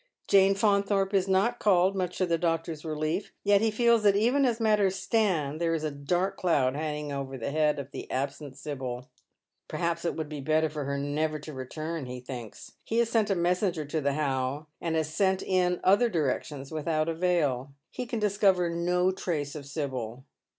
Jane Faunthorpe is not called, much to the doctor's relief. Yet he feels that even as matters stand there is a dark cloud hanging over the head of the absent Sibyl. _" Perhaps it would be better for her never to return," he thinks. _ He has sent a messenger to The How, and has sent in other directions without avail. He can discover no trace of Sibyl.